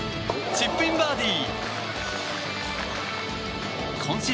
チップインバーディー！